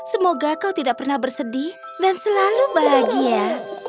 semoga kau tidak pernah bersedih dan selalu bahagia